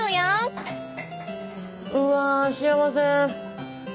うわ幸せ。